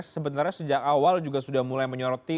sebenarnya sejak awal juga sudah mulai menyoroti